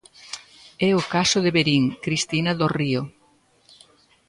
É o caso de Verín, Cristina Dorrío.